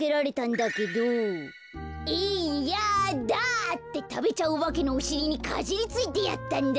だ！」ってたべちゃうおばけのおしりにかじりついてやったんだ。